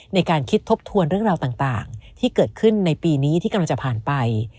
ในการคิดทบทวนเรื่องราวต่างที่เกิดขึ้นในปีนี้ที่กำลังจะผ่านไป